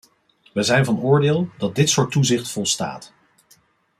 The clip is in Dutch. Wij zijn van oordeel dat dit soort toezicht volstaat.